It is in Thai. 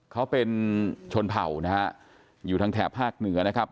เขาเป็นชนเผ่านะฮะอยู่ทางแถบภาคเหนือนะครับ